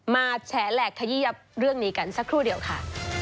แฉแหลกขยียบเรื่องนี้กันสักครู่เดียวค่ะ